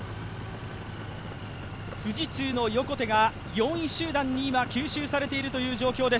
富士通の横手が４位集団に今、吸収されているという状況です。